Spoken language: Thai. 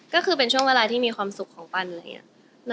ก็คือเป็นช่วงเวลาที่มีความสุขของปัน